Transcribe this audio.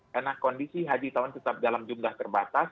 karena kondisi haji tahun tetap dalam jumlah terbatas